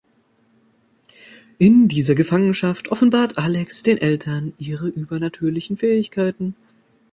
In dieser Gefangenschaft offenbart Alex den Eltern ihre übernatürlichen Fähigkeiten.